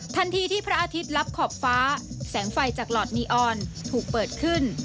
ทันทีที่พระอาทิตย์รับขอบฟ้าแสงไฟจากหลอดนีออนถูกเปิดขึ้น